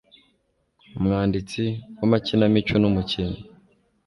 umwanditsi w'amakinamico, n'umukinnyi